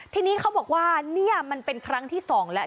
ทีนี้เขาบอกว่านี่มันเป็นครั้งที่๒แล้ว